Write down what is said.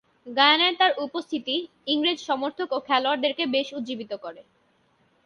গায়ানায় তার উপস্থিতি ইংরেজ সমর্থক ও খেলোয়াড়দেরকে বেশ উজ্জীবিত করে।